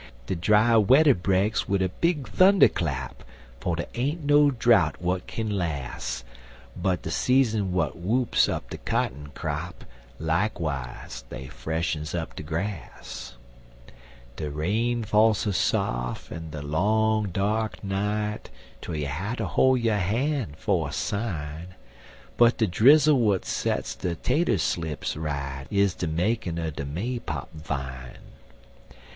De dry wedder breaks wid a big thunder clap, For dey ain't no drout' w'at kin las', But de seasons w'at whoops up de cotton crap, Likewise dey freshens up de grass. De rain fall so saf' in de long dark night, Twel you hatter hol' yo' han' for a sign, But de drizzle w'at sets de tater slips right Is de makin' er de May pop vine.